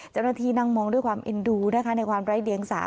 เจ้าหน้าที่นั่งมองด้วยความเอ็นดูนะคะในความไร้เดียงสา